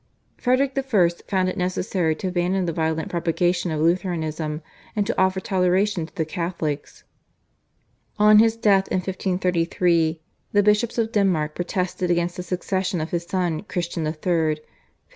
Frederick I. found it necessary to abandon the violent propagation of Lutheranism and to offer toleration to the Catholics. On his death in 1533 the bishops of Denmark protested against the succession of his son Christian III.